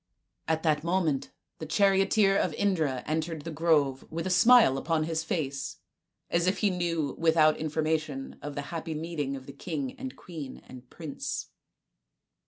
At that moment the charioteer of Indra entered the grove with a smile upon his face, as if he knew without information of the happy meeting of king and queen and prince.